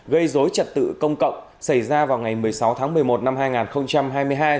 gây dối trật tự công cộng xảy ra vào ngày một mươi sáu tháng một mươi một năm hai nghìn hai mươi hai